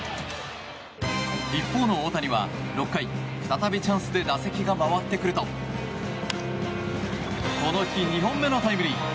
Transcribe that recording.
一方の大谷は６回再びチャンスで打席が回ってくるとこの日２本目のタイムリー。